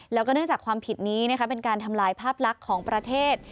แล้วก็เนื่องจากความผิดนี้เป็นการทำลายภาพลักษณ์ของประเทศ